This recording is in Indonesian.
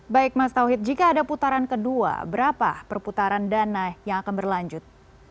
baik mas tauhid jika ada putaran kedua berapa perputaran dana yang akan berlanjut